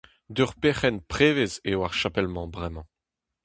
D'ur perc'henn prevez eo ar chapel-mañ bremañ.